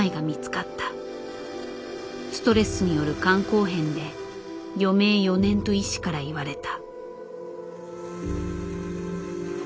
ストレスによる肝硬変で余命４年と医師から言われた。